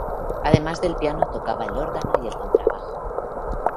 Además del piano tocaba el órgano y el contrabajo.